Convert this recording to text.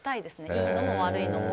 いいのも悪いのも。